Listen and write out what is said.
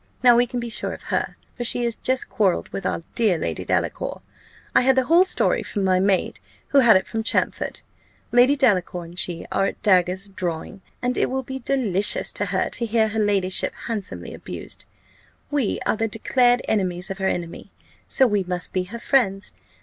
Now we can be sure of her, for she has just quarrelled with our dear Lady Delacour. I had the whole story from my maid, who had it from Champfort. Lady Delacour and she are at daggers drawing, and it will be delicious to her to hear her ladyship handsomely abused. We are the declared enemies of her enemy, so we must be her friends.